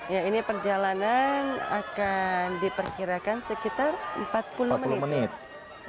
ya ini perjalanan akan diperkirakan sekitar empat puluh menit ya